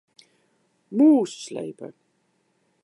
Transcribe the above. Mûs slepe.